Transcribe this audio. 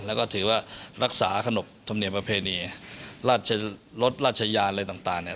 แล้วก็ถือว่ารักษาขนบธรรมเนียมประเพณีราชรสราชยานอะไรต่างเนี่ย